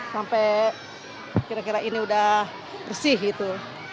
sampai kira kira ini udah bersih gitu